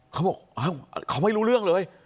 เขาบอกเขาไม่รู้เรื่องเลย